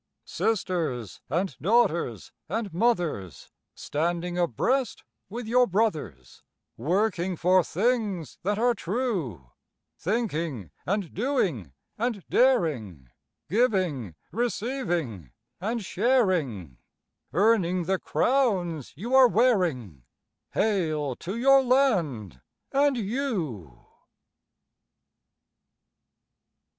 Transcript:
Sisters and daughters and mothers, Standing abreast with your brothers, Working for things that are true; Thinking and doing and daring, Giving, receiving, and sharing, Earning the crowns you are wearing— Hail to your land and you!